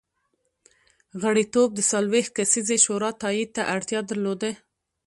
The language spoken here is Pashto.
غړیتوب د څلوېښت کسیزې شورا تایید ته اړتیا درلوده.